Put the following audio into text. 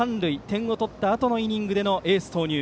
点を取ったあとのイニングでのエース投入。